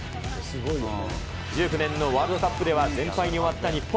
１９年のワールドカップでは全敗に終わった日本。